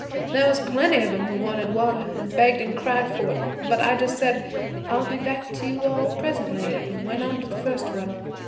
There was plenty of 'em who wanted water, an' begged an' cried for it; but I just said, "I'll be back to you all presently," an' went on to the first one.